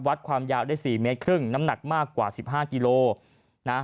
วัดความยาวได้๔๕เมตรน้ำหนักมากกว่า๑๕กิโลกรัม